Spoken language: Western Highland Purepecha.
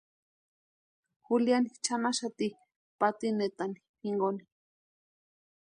Juliani chʼanaxati patinetani jinkoni.